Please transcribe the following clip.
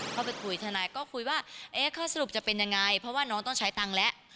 เข้าไปคุยทนายก็คุยว่าข้อสรุปจะเป็นยังไงเพราะว่าน้องต้องใช้ตังค์แล้ว